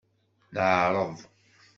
Neɛreḍ.